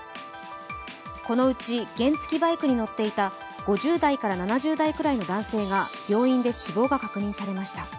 このうち原付バイクに乗っていた５０代から７０代くらいの男性が病院で死亡が確認されました。